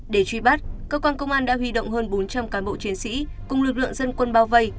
để truy bắt cơ quan công an đã huy động hơn bốn trăm linh cán bộ chiến sĩ cùng lực lượng dân quân bao vây